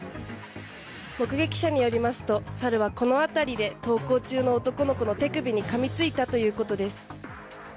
目撃者によりますと猿はこの辺りで登校中の男の子の手首にかみついたということです。